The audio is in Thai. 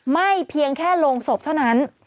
เพียงแค่โรงศพเท่านั้น